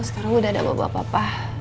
sekarang udah ada bapak bapak